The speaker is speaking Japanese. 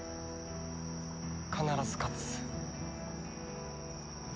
必ず勝つ。